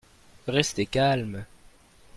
Restez calme.